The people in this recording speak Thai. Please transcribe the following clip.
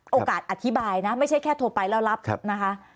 อธิบายนะไม่ใช่แค่โทรไปแล้วรับนะคะ